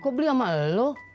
kok beli sama lo